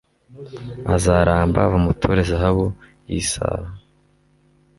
azaramba bamuture zahabu y'i saba